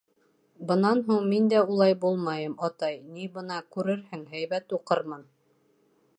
Бынан һуң мин дә улай булмайым, атай, ни, бына күрерһең, һәйбәт уҡырмын.